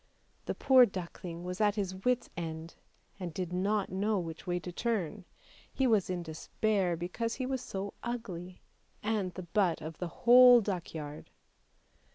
The poor duckling was at his wit's end, and did not know which way to turn; he was in despair because he was so ugly, and the butt of the whole duckyard.